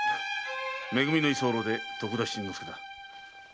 め組の居候で徳田新之助だ。